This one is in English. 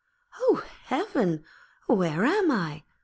'O Heaven! where am I?'